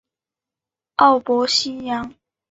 博奥西扬。